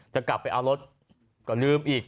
จะกลับไปเอารถก็ลืมอีก